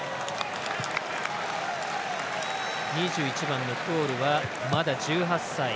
２１番のクオルはまだ１８歳。